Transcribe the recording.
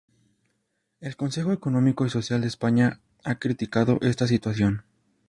El Consejo Económico y Social de España ha criticado esta situación.